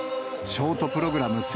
ショートプログラム